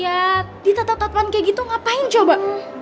ya di tetap tetapan kayak gitu ngapain coba